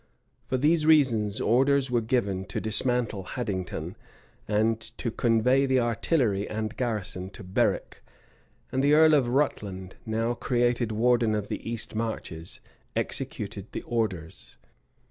For these reasons, orders were given to dismantle Haddington, and to convey the artillery and garrison to Berwick; and the earl of Rutland, now created warden of the east marches, executed the orders.